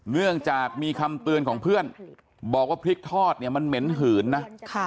เนื่องจากมีคำเตือนของเพื่อนบอกว่าพริกทอดเนี่ยมันเหม็นหืนนะ